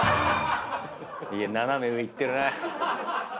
いや斜め上いってるね。